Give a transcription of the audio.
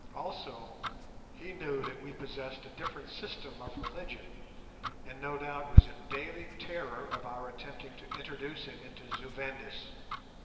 Also he knew that we possessed a different system of religion, and no doubt was in daily terror of our attempting to introduce it into Zu Vendis.